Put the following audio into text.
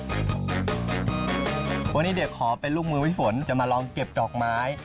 เพราะว่านี้เด็กของเป็นลูกมือวิฟฝนจะมาลองเก็บดอกไม้